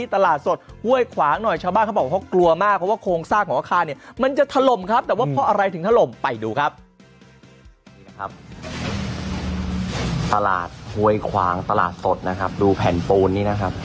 ตลาดห้วยขวางตลาดสดนะครับดูแผ่นปูนนี้นะครับ